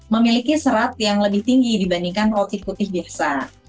memiliki serat yang lebih tinggi dibandingkan roti putih biasa